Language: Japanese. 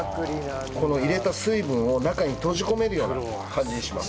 この入れた水分を中に閉じ込めるような感じにします。